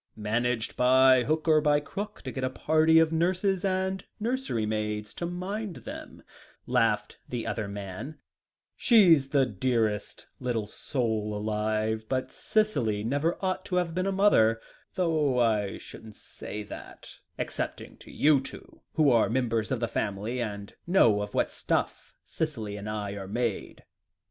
"Managed by hook or by crook to get a party of nurses and nurserymaids to mind them," laughed the other man; "she's the dearest little soul alive, but Cicely never ought to have been a mother, though I shouldn't say that, excepting to you two who are members of the family, and know of what stuff Cicely and I are made."